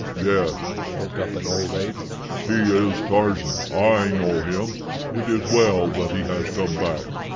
"Yes," spoke up an old ape, "he is Tarzan. I know him. It is well that he has come back.